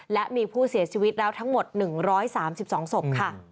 และมีผู้เสียชีวิตแล้วทั้งหมด๑๓๒ศพค่ะ